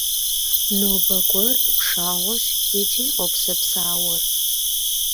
Нобэ гуэрыр пшагъуэщ икӏи къопсэпсауэр.